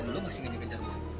lo masih ngejar ngejar mba